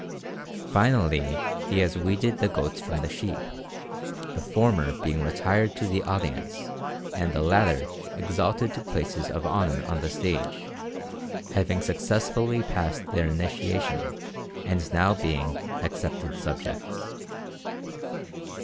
Finally he has weeded the goats from the sheep, the former being retired to the audience and the latter exalted to places of honor on the stage, having successfully passed their initiation and now being "accepted subjects."